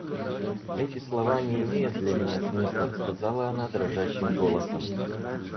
Эти слова не имеют для меня смысла, — сказала она дрожащим голосом.